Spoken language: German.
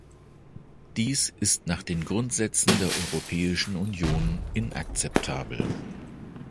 Dies ist nach den Grundsätzen der Europäischen Union inakzeptabel.